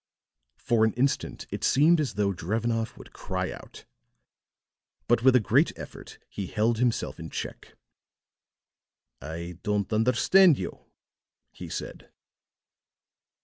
For an instant it seemed as though Drevenoff would cry out, but with a great effort he held himself in check. "I don't understand you," he said.